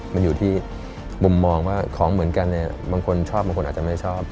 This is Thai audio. มันอยู่ที่มุมมองว่าของเหมือนกันเนี่ยบางคนชอบบางคนอาจจะไม่ชอบ